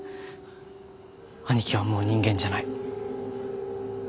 兄貴はもう人間じゃない。